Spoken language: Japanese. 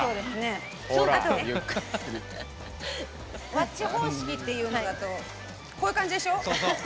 わっち方式っていうのだとこういう感じでしょ？